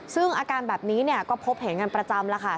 ซึ่งอาการแบบนี้ก็พบเห็นกันประจำแล้วค่ะ